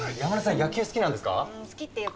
野球好きなんですか？